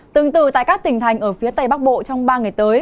từng từ tại các tỉnh thành ở phía tây bắc bộ trong ba ngày tới